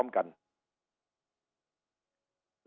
ลูกหลานบอกว่าเรียกรถไปหลายครั้งนะครับ